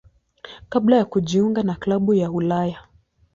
kabla ya kujiunga na klabu ya Ulaya.